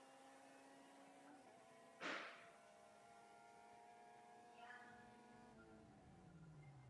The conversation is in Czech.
Mnoho států tuto směrnici přijalo.